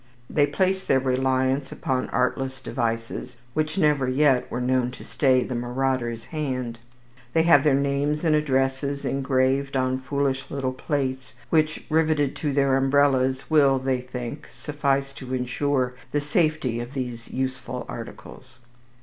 They place their reliance upon artless devices which never yet were known to stay the marauder's hand. They have their names and addresses engraved on foolish little plates, which, riveted to their umbrellas, will, they think, suffice to insure the safety of these useful articles.